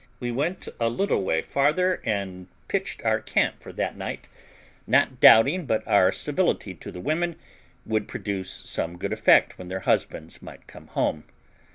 We went a little way farther and pitched our camp for that night, not doubting but our civility to the women would produce some good effect when their husbands might come home.